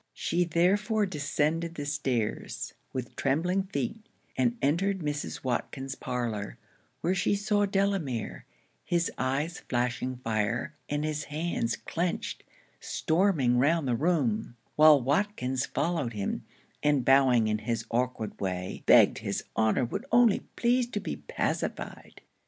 She therefore descended the stairs, with trembling feet, and entered Mrs. Watkins's parlour; where she saw Delamere, his eyes flashing fire and his hands clenched, storming round the room, while Watkins followed him, and bowing in his awkward way, 'begged his Honour would only please to be pacified.'